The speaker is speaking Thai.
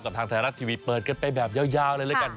ทางไทยรัฐทีวีเปิดกันไปแบบยาวเลยแล้วกัน